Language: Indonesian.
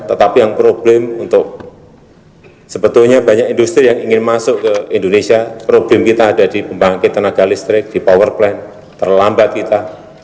tetapi yang problem untuk sebetulnya banyak industri yang ingin masuk ke indonesia problem kita ada di pembangkit tenaga listrik di power plan terlambat kita